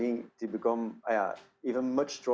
untuk menjadi lebih kuat